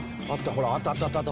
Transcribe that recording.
ほら。